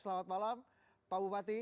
selamat malam pak bupati